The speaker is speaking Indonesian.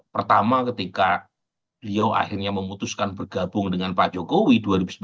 pertama ketika beliau akhirnya memutuskan bergabung dengan pak jokowi dua ribu sembilan belas